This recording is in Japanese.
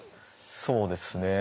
そうですね。